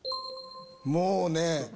もうね。